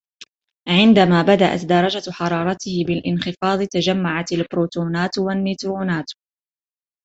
عندما بدأت درجة حرارته بالانخفاض تجمعت البروتونات والنيترونات